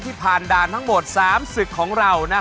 ผ่านด่านทั้งหมด๓ศึกของเรา